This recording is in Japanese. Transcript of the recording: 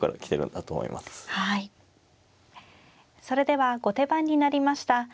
それでは後手番になりました